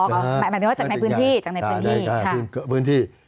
หมายถึงว่าจากในพื้นที่